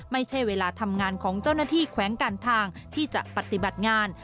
ไม่ใช่เวลาทำงานของเจ้าหน้าที่แขวงการทางที่จะปฏิบัติงาน